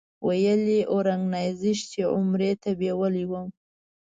ویل یې اورګنایزیش چې عمرې ته بېولې وم.